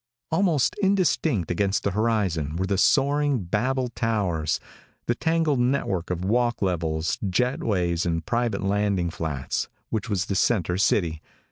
Almost indistinct against the horizon were the soaring, Babel towers, the tangled network of walk levels, jet ways and private landing flats, which was the center city.